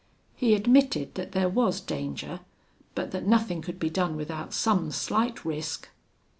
He admitted that there was danger, but that nothing could be done without some slight risk.